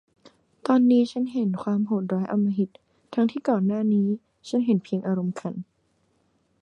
ตอนนี้ฉันเห็นความโหดร้ายอำมหิต ทั้งที่ก่อนหน้านี้ฉันเห็นเพียงอารมณ์ขัน